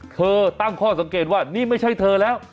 ตั้งข้อสังเกตว่านี่ไม่ใช่เธอแล้ว